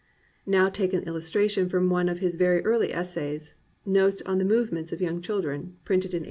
Now take an illustration from one of his very early essays, Notes on the Movements of Young ChU dren, printed in 1874.